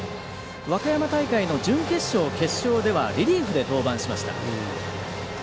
和歌山大会の準決勝、決勝ではリリーフで登板しました。